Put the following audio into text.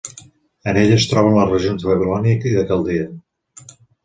En ella es troben les regions de Babilònia i de Caldea.